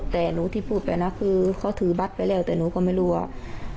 แต่หนูที่พูดไปนะคือเขาถือบัตรไปแล้วแต่หนูก็ไม่รู้ว่า